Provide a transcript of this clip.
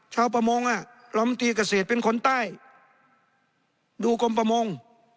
ชาวประมงอ่ะลำตีเกษตรเป็นคนใต้ดูกรมประมง